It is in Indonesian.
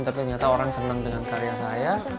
tapi ternyata orang senang dengan karya saya